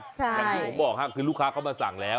อย่างที่ผมบอกค่ะคือลูกค้าเข้ามาสั่งแล้ว